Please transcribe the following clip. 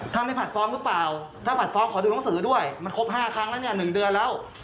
ท่านไม่ผ่านฟอร์มรึเปล่าถ้าผ่านฟอร์มขอดูหนังสือด้วยมันครบห้าครั้งแล้วเนี้ยหนึ่งเดือนแล้ว